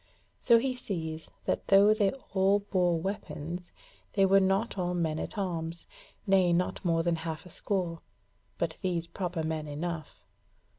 So he sees that though they all bore weapons, they were not all men at arms, nay, not more than a half score, but those proper men enough.